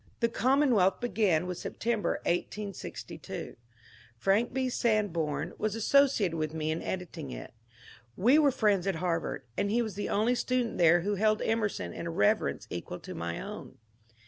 The '' Commonwealth " began with September, 1862. Frank B. Sanborn was associated with me in editing it. We were friends at Harvard, and he was the only student there who held Emerson in a reverence equal to my own.